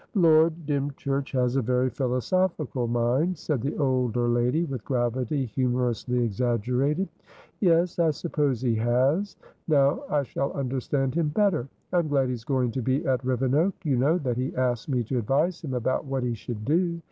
"Lord Dymchurch has a very philosophical mind," said the older lady, with gravity humorously exaggerated. "Yes, I suppose he has. Now I shall understand him better. I'm glad he's going to be at Rivenoak. You know that he asked me to advise him about what he should do.